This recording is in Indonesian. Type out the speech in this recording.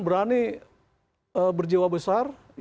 berani berjiwa besar